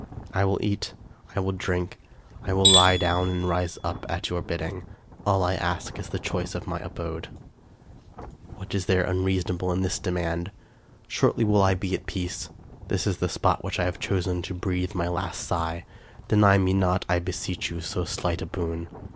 I will eat — I will drink — I will lie down and rise up — at your bidding; all I ask is the choice of my abode. What , 303 American Mystery Stories is there unreasonable in this demand? Shortly will I be at peace. This is the spot which I have chosen in which to breathe my last sigh. Deny me not, I beseech you, so slight a boon.